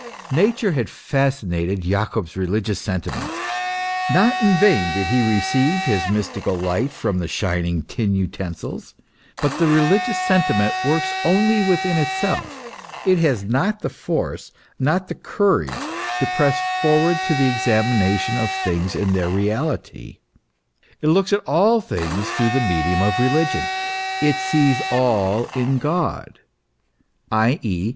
Nature had fascinated Jacob's religious sentiments, not in vain did he receive his mystical light from the shining of tin utensils ; but the religious sentiment works only within itself ; it has not the force, not the courage, to press forward to the examination of things in their reality ; it looks at all things through the medium of religion, it sees all in God, i.e.